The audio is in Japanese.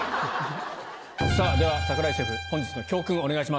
さぁでは櫻井シェフ本日の教訓をお願いします。